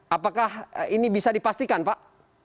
apakah ini bisa dipastikan pak